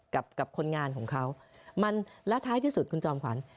กับกับคนงานของเขามันและท้ายที่สุดคุณจอมขวัญ